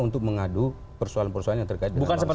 untuk mengadu persoalan persoalan yang terkait dengan